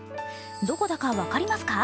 どこだか分かりますか？